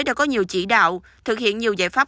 đã có nhiều chỉ đạo thực hiện nhiều giải pháp